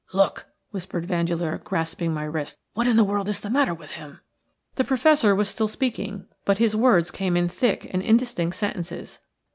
"Look!" whispered Vandeleur, grasping my wrist. "What in the world is the matter with him?" The Professor was still speaking, but his words came in thick and indistinct sentences.